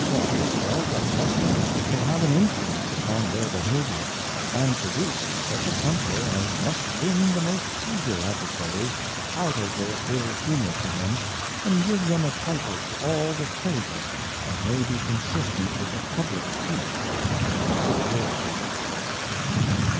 JEhotigfat' well drgested will have an influence upon their Behaviour, and pro duce such a Temper as must win the most eager Adversaries out of their ill Humour to them, and give them a Title to all the Favour that may be consistent with the Publick Peace ajid Security.